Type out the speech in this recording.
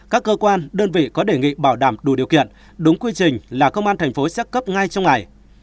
các cơ quan đơn vị có đề nghị bảo đảm đủ điều kiện đúng quy trình là công an thành phố xác cấp ngay trong ngày